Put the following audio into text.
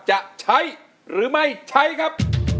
จะใช้หรือไม่ใช้ครับ